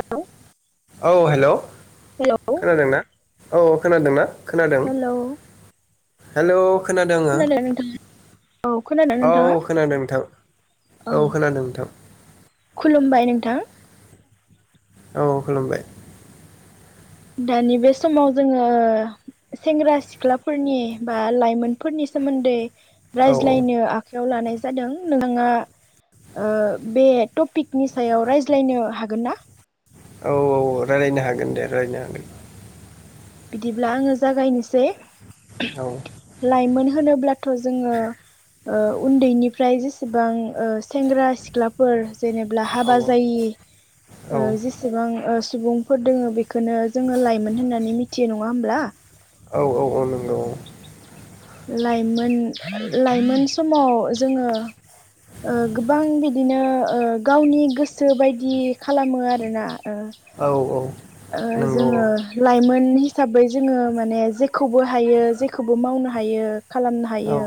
हेल' औ हेलौ खोनादोंना? औ खोनादोंना खोनादों हेलौ हेलौ खोनादों नोंथाङा औ खोनादों औ नोंथाङा खोनादों नोंथां औ खोनादों नोंथां खुलुमबाय नोंथां औ खुलुमबाय दानि बे समाव जोङो सेंग्रा-सिख्लाफोरनि बा लाइमोनफोरनि सोमोन्दै औ रायज्लायनो आखायाव लानाय जा जादों नोंथाङा ओ बे टपिकनि सायाव रायज्लायनो हागोन ना? औ औ रायलायनो हागोन दे। नायनो हागोन। बिदिब्ला आङो जागायनोसै हागोन लाइमोन होनोब्ला थ जोङो ओ उन्दैनिफ्राय जिस सेबां ओ सेंग्रा सिख्लाफोर जेनेब्ला औ हाबा जायि औ ओ जेसेबां ओ सुबुंफोर दोङ बेखोनो जोङो लाइमोन होननानै मिथियो नङा होमब्ला औ औ औ नंगौ औ लाइमोन लाइमोन समाव जोङो ओ गोबां बिदिनो ओ गावनि गोसो बायदि खालामो आरोना ओ औ औ नंगौ औ औ ओ नंगौ औ जोङो लाइमोन [unintelligible] हिसाबै जोङो माने जेखौबो हायो जेखौबो मावनो थायो खालामनो औ हायो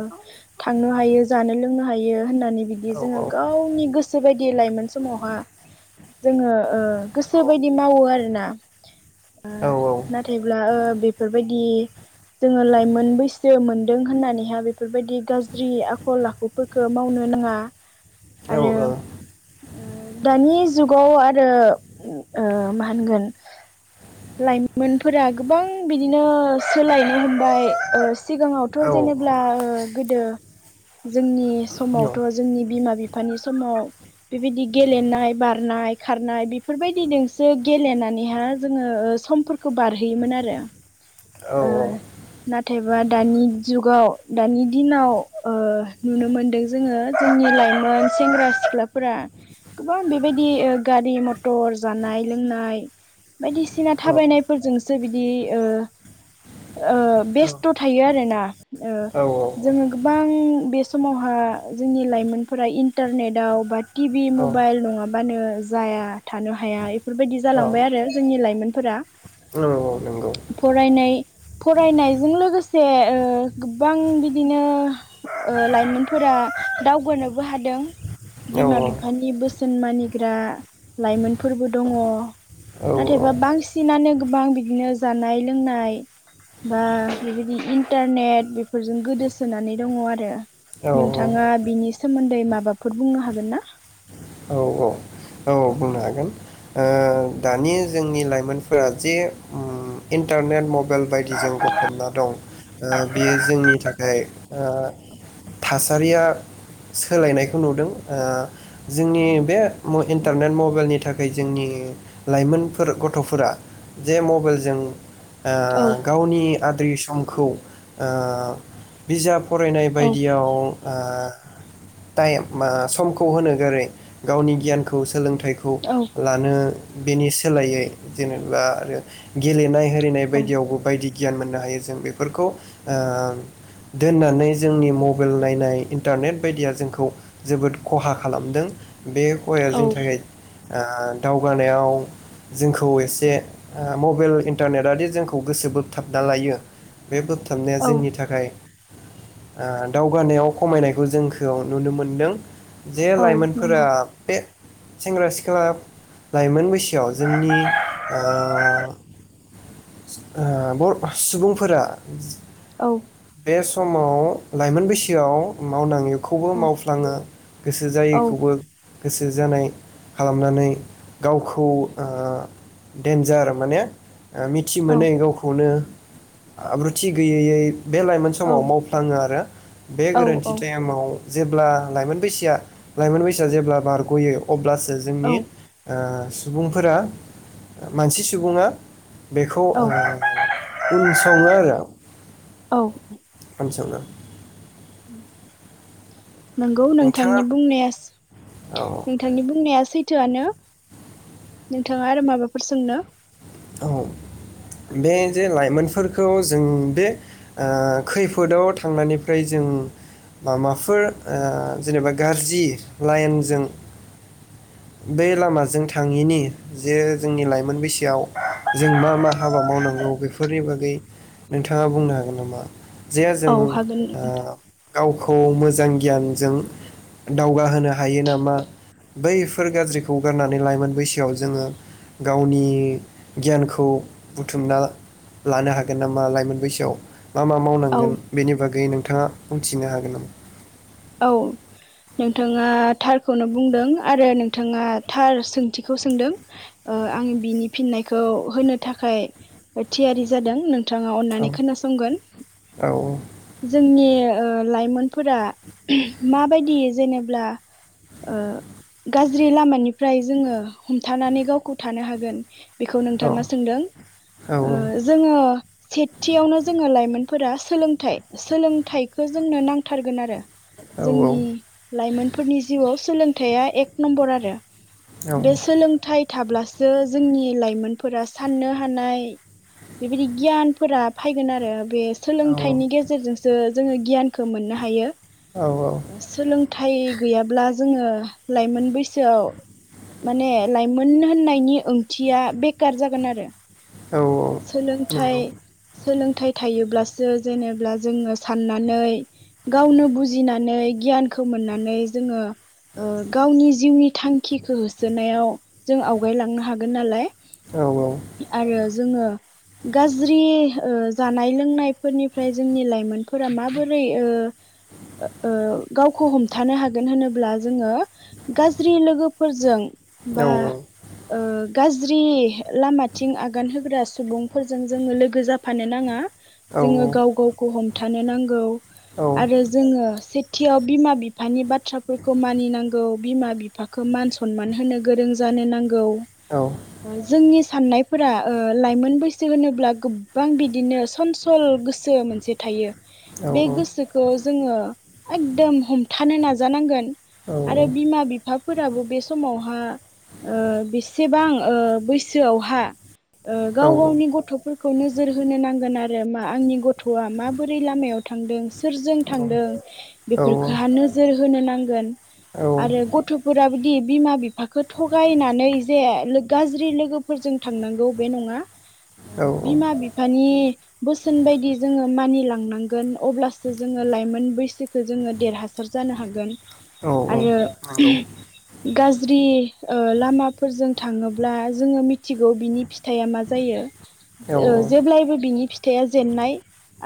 थांनो हायो जानो दोनों हा [inaudible] होननानै बिदि औ नंगौ औ जोंङो गावनि गोसो बायदि लायमोन समावहा जोङो ओ गोसो बायदि मावो आरोना ओ नाथायब्ला ओ बे बेफोरबायदि जोङो लाइमोन बैस मोनदों होननानैहा बे बेफोरबायदि गाज्रि आखल आखुफोरखौ मावनो नाङा। औ ओ उ दानि जुगाव आरो ओ मा होनगोन लाइमोनफोरा गोबां बिदिनो सोलायनो हमबाय ओ सिगाङावथ जेनेब्ला ओ गोदो जोंनि बे समावथ जोंनि बिमा बिफानि समाव बेबायदि गेलेनाय बारनाय खारनाय बेफोरबायदिजोंसो गेलेनानैहाय जोङो ओ समफोरखौ बारहोयोमोन आरो औ ओ औ नाथायबा दानि जुगाव दानि दिनाव ओ नुनो मोनदों जोङो जोंनि लाइमोन सेंग्रा सिख्लाफोरा गोबां बेबायदि गारि मथर जानाय लोंनाय बायदिसिना थाबायनायफोरजोंसो बिदि ओ ओ बेस्थ थायो आरोना ओ जोङो गोबां बे समावहा जोंनि लाइमोनफोरा इन्टारनेटआव बा टिभि मबाइल नङाबानो जाया थानो हाया इफोरबायदि जालांबाय आरो जोंनि लाइमोनफोरा फरायनाय फरायनायजों लोगोसे ओ गोबां बिदिनो ओ लाइमोनफोरा दावगानोबो हादों बिमा बिफानि बोसोन मानिग्रा लाइमोनफोरबो दङ नाथायबा बांसिनानो गोबां बिदिनो जानाय लोंनाय बा बेबायदि इन्टारनेट बेफोरजों गोदोसोनानै दङ आरो औ औ औ नोंथाङा बिनि सोमोन्दै माबाफोर बुंनो हागोन ना? औ औ बुंनो हागोन ओ दानि जोंनि लाइमोनफोरा जे उम इन्टारनेट मबाइल बायदिजों गफबना दं ओ बेयो जोंनि थाखाय ओ थासारिया सोलायनायखौ नुदों ओ जोंनि बे इन्टारनेट मबाइलनि थाखाय जोंनि लाइमोनफोर गथफोरा जे मबाइलजों औ ओ गावनि गाद्रि समखौ ओ बिजाब फरायनाय औ बायदियाव [inaudible] इमा समखौ होनो गोरै गावनि गियानखौ सोलोंथ फिथायखौ लानो बेनि सोलायै जेनेबा आरो गेलेनाय हेरनाय औ बायदियावबो बायदि गियान मोननो हायो जों बेफोरखौ ओ दोननानै जोंनि मबाइल नायनाय इन्टारनेट बायदिया जोंखौ जोबोद खहा खालामदों । बे हौवाया जोंनि औ थाखाय आ दावगा नायाव जोंखौ एसे ओ मबाइल इन्टारनेटआदि जोंखौ गोसो बोबथाबना लायो बे बोबथाबनाया औ जोंनि थाखाय ओ दावगानायाव खमायनायखौ जोंखौ नुनो मोनदों जे औ लाइमोनफोरा नंगौ बे सेंग्रा सिख्ला लाइमोन बैसोआव जोंनि ओ ओ बर ' सुबुंफोरा औ बे समाव लाइमोन बैसोआव मावनाङै खौबो औ मावफ्लाङो गोसो औ जायैखौबो गोसो जानाय खालामनानै गावखौ ओ देन्जार माने ओ मिथि औ मोनै गावखौनो आब्रुथि गोयै यै बे लाइमोन औ समाव मावफ्लाङो आरो बे औ गोरोन्थि टाइमाव जेब्ला लाइमोन बैसोआ लाइमोन बैसोआ जेब्ला बारगयो अब्लासो औ जोंनि ओ सुबुंफोरा मानसि सुबुङा बेखौ औ ओ उन सङो आरो [unintelligible] सावना उम नोंगौ नोंथाङा नोंथांनि बुंनाया औ सो नोंथांनि बुंनाया सैथो। थोआनो नोंथाङा आरो माबाफोर सोंनो औ बे जे लाइमोनफोरखौ जों बे खैफोदाव थांनायनिफ्राय जों माबाफोर ओ जेनेबा गाज्रि लाइनजों बे लामाजों थाङिनि जे जोंनि लाइमोन बैसोआव जों मा मा हाबा मावनांगौ बेफोरनि बागै नोंथाङा बुंनो हागोन नामा? जे औ जों हागोन ओ गावखौ मोज जां गियानजों दावगाहोनो हायो नामा बैफोर गाज्रिखौ गारनानै लाइमोन बैसोआव जोङो गावनि गियानखौ बुथुमना लानो हागोन नामा लाइमोन बैसोआव मा मा औ मावनांगोन बेनि बागै नों नोंथाङा बुंथिनो हागोन नामा? औ नोंथाङा थारखौनो बुंदों आरो नोंथाङा थार सोंथिखौ सोंदों ओ आं बिनि फिननायखौ होनो थाखाय थियारि जादों नों नोंथाङा औ अननानै खोनासंगोन औ जोंनि ओ लाइमोनफोरा उम माबायदियै जेनेब्ला ओ गाज्रि लामानिफ्राय जोङो हमथानानै गावखौ थानो हागोन बेखौ औ नोंथाङा सोंदों औ ओ जोङो सेथियावनो जोङो लाइमोनफोरा सोलोंथाइ सोलोंथाइखो जोंनो नांथारगोन आरो औ जोंनि लाइमोनफोरनि जिउआव सोलों थाया एक नम्बर आरो औ बे सोलोंथाइ थाब्लासो जो जोंनि लाइमोनफोरा साननो हानाय बेबायदि गियानफोरा फायगोन आरो बे औ औ सोलोंथाइनि गेजेरजोंसो जोङो गियान खो मोननो हायो। औ ओ सोलोंथाइ गैयाब्ला जोङो लाइमोन बैस सोआव माने ला मोन होननायनि ओंथिया बेखार जागोन आरो औ औ सोलोंथाइ नंगौ सोलोंथाय थायोब्लासो जो जेनेब्ला जोङो साननानै गावनो बुजिनानै गियानखौ मोननानै जोङो ओ गावनि जिउनि थांखिखौ होसोनायाव जों आवगायलांनो हागोन नालाय औ आरो गाज्रि ओ जानाय लोंनायफोरनिफ्राय जोंनि लाइमोनफोरा माबोरै ओ ओ गावखौ हमथानो हागोन होनोब्ला जोङो गाज्रि लोगोफोरजों औ बा ओ गाज ज्रि लामाथिं आग आगान होग्रा सुबुंफोरजों जोङो लोगो जाफानो नाङा औ जोङो गाव गावखौ हम थानो नांगौ आरो जोङो खाथियाव बिमा बिफानि बा बाथ्राफोरखौ मानिनांगौ बिमा बिफाख खौ मान सनमान होनो गोरों जानो नांग औ जोंनि साननाय फोर लाइमोन बैसो होनोब्ला गोबां बिदिनो सन सल गोसो मोनसे थायो औ बे गोसोखौ जोङो एकदम हमथानो नाज जानांगोन औ औ आरो नंगौ बिमा बिफाफोराबो बे समावहा ओ बेसेबां ओ बैसोआव हा। औ औ गाव गावनि गथफोरखौ नोजोर होनो नांगोन आरो मा आंनि गथ गथआ माबोरै लामायाव थांदों सोरजों औ नंगौ थांदों औ बेफोरखौहा नोजोर होनो नांगोन औ आरो गथफोर बिदि बिमा बिफाखौ थगायनानै जे गाज्रि लोगोफोरजों थांनांगौ बे नंया ओ बिमा बिफानि बोसोन बांदि जोंओ मानिना नोंगोन अब्लासो जोङो लाइमोन बैसोख जोङो देरहासार जानो हागोन गोन आरो उम गाज्रि ओ लामाफोरजों थाङोब्ला जोङो मिथ थिगौ बिनि फिथाइआ मा जायो ओ जेब्लायबो बिनि फिथ थाइया जेननाय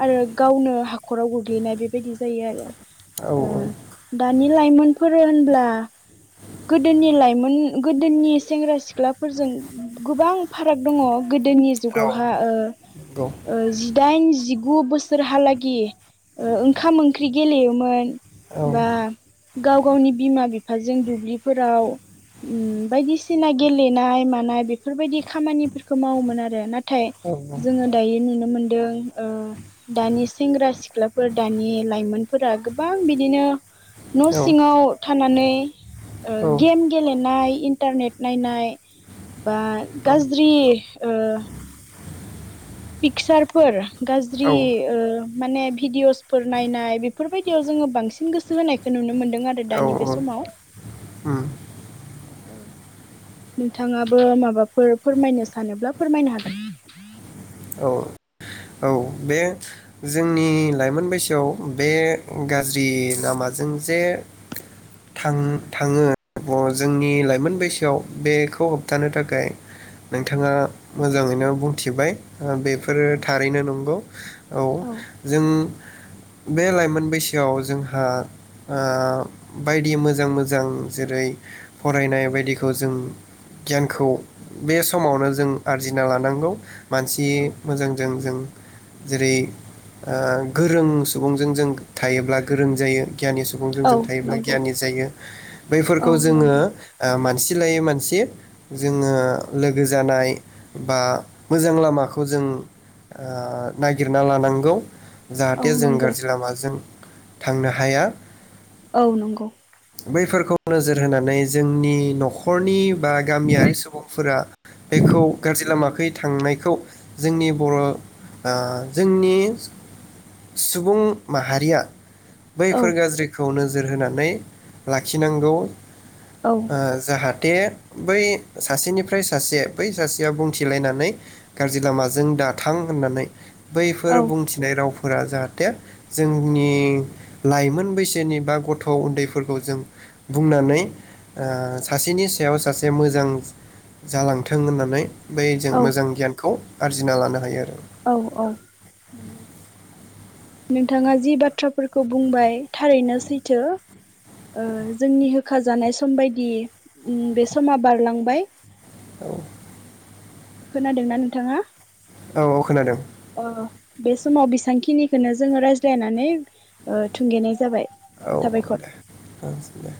आरो गावनो हाखराव गोग्लैनाय बेबायदि जायो आरो ओ दानि लाइमोनफोर होनब्ला गोदोनि लाइमोन गोदोनि सेंग्रा सिख्लाफोर गोबां फाराग दंङ गोदोनि औ जुगावहा ओ औ ओ जिदाइन जिगु बोसोरहालागि ओ ओंखाम ओंख्रि गेलेयोमोन। उम औ बा गाव गावनि बिमा बिफाजों दुब्लिफोराव ओम बायदिसिना गेलेनाय मानाय बेफोरबायदि खामानिफोरखौ मावोमोन आरो नाथ थाय जोङो दायो नुनो मोनद दों ओ दानि सेंग्रा सिख्लाफोर दानि लाइमोनफोरा गोबां बिदिनो न' सिङाव थानानै ओ गेम गेलेनाय इन्टारनेट नायनाय बा गाज्रि ओ पिक्सारफोर गाज्रि ओ माने भिडिअसफोर नायनाय बेफोरबायदियाव जोङो बांसिन गोसो होनायखौ नुनो मोन नों आरो दानि बे समाव [inaudible] नोंथाङाबो माबाफोर फोरमायनो सानोब्ला फोरमायनो हागोन। औ बे जोंनि लाइमोन बैसोआव बे गाज्रि लामाजों फोरो थारैनो नं [unintelligible] औ जों बे लाइमोन बैसोआव जोंहा ओ बायदि मोजां मोजां जेरै फरायनाय बायदिखौ जों गियानखौ बे समावनो जों आरजिना लानांगौ। मानसि मोजांजों जों जेरै ओ गोरों सुबुंजों जों थायोब्ला गोरों जायो। गियानि सुबुंजों औ जों थायोब्ला नंगौ गियानि जायो औ बैफोरखौ जोङो नंगौ आसिलायै मानसि जोङो लोगो जानाय बा मोजां लामाखौ जों नागिरना लानांगौ जाहाथे औ जों नंगौ गाज्रि लामाजों थांनो हाया औ नंगौ बैफोरखौ नोजोर होनानै जोंनि न'खरनि बा गामियारि सुबुंफोरा बेखौ गाज्रि लामाखै थांनायखौ जोंनि बर' ओ जोंनि सुबुं माहारिया औ बैफोर गाज्रिखौ नो नोजोर होनानै लाखिनांगौ औ जाहाथ दे बै सासेनिफ्राय सासे बै सासेया बुंथिलायनानै गाज्रि लामाजों दाथां होननानै बैफोर औ बुंथिनाय रावफोर फोर जाहाथे जोंनि लाइमोन बैसोनि बा गथ' उन्दैफोरखौ जों बुंनानै सासेनि सायाव सासे मोजां जालांथों होननानै बै जों औ मोजां गियान खौ आरजिना लानो हायो आरो। औ औ नंगौ नोंथाङा जि बाथ्राफोरखौ बुंबाय थारैनो सैथो ओ जोंनि होखा जानाय सम बायदि बे समा बारलांबाय। औ खोनादोंना नोंथाङा औ औ खोनादों ओ बेसमाव बिसांकि खिनिखोनो जोङो रायज्लायनानै ओ थुंगेनाय जाबाय। औ साबायखर। दै औ दे